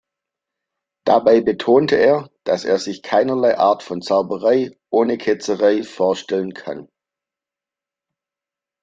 Dabei betont er, dass er sich keinerlei Art von Zauberei ohne Ketzerei vorstellen kann.